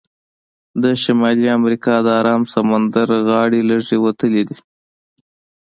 د شمالي امریکا د ارام سمندر غاړې لږې وتلې دي.